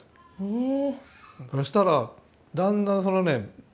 ええ。そしたらだんだんそのね